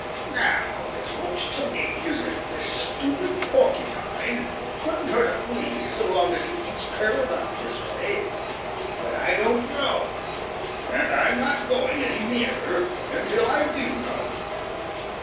Now it looks to me as if this stupid Porcupine couldn't hurt a flee so long as he keeps curled up this way, but I don't know, and I'm not going any nearer until I do know."